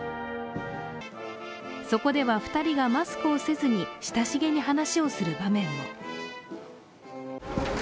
そこでは２人がマスクをせずに親しげに話をする場面も。